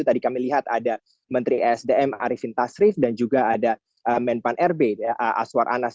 tadi kami lihat ada menteri asdm ariefin tasrif dan juga ada men pan r b aswar anas